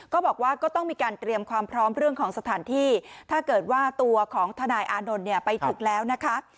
ก็ต้องบอกว่าก็ต้องมีการเตรียมความพร้อมเรื่องของสถานที่ถ้าเกิดว่าตัวของทนายอานนท์เนี่ยไปถึงแล้วนะคะ